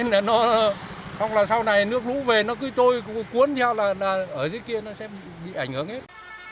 ngập lên là nó không là sau này nước lũ về nó cứ trôi cuốn theo là ở dưới kia nó sẽ bị ảnh hưởng hết